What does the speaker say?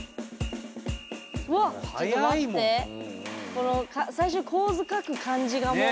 この最初構図描く感じがもう。